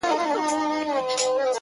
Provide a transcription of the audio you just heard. شــاعــر دمـيـني ومه درد تــه راغــلـم؛